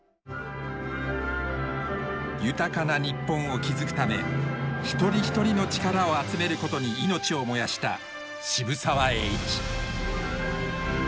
豊かな日本を築くため一人一人の力を集めることに命を燃やした渋沢栄一。